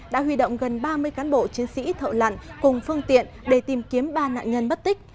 đã huy động gần ba mươi cán bộ chiến sĩ thợ lặn cùng phương tiện để tìm kiếm ba nạn nhân bất tích